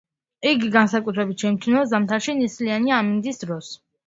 იგი განსაკუთრებით შეიმჩნევა ზამთარში ნისლიანი ამინდის დროს.